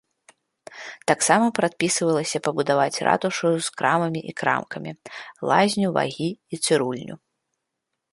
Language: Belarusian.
Таксама прадпісвалася пабудаваць ратушу з крамамі і крамкамі, лазню, вагі і цырульню.